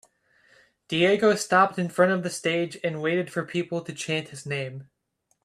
Diego stopped in front of the stage and waited for people to chant his name.